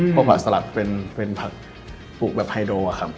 พวกผักสลัดเป็นผักปลูกแบบไฮโดอะครับ